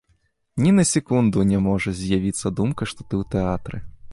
Ні на секунду не можа з'явіцца думка, што ты ў тэатры.